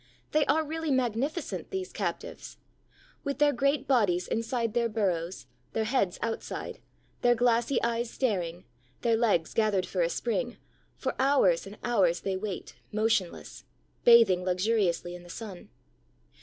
They are really magnificent, these captives. With their great bodies inside their burrows, their heads outside, their glassy eyes staring, their legs gathered for a spring, for hours and hours they wait, motionless, bathing luxuriously in the sun.